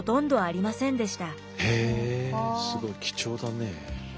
すごい貴重だね。